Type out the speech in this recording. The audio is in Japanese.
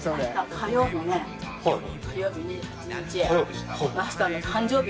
火曜日？